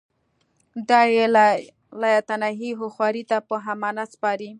دا یې لایتناهي هوښیاري ته په امانت سپاري